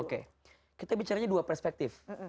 oke kita bicara di dua perspektif